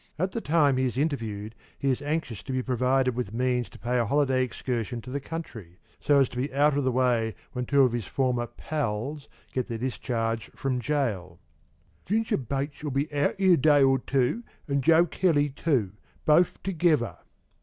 At the time he is interviewed he is anxious to be provided with means to pay a holiday excursion to the country, so as to be out of the way when two of his former "pals" get their discharge from gaol. "'Ginger Bates'll be out in a day or two, an' Joe Kelly too both together.'"